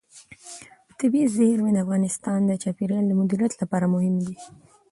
طبیعي زیرمې د افغانستان د چاپیریال د مدیریت لپاره مهم دي.